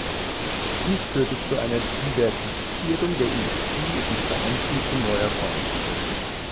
Dies führte zu einer Diversifizierung der Industrie und zur Ansiedlung neuer Branchen.